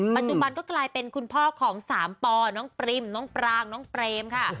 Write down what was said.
ปัจจุบันก็กลายเป็นคุณพ่อของสามปอน้องปริมน้องปรางน้องเปรมค่ะ